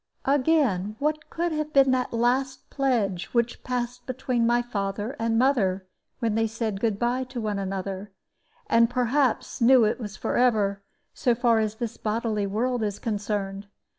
Again, what could have been that last pledge which passed between my father and mother, when they said "good by" to one another, and perhaps knew that it was forever, so far as this bodily world is concerned?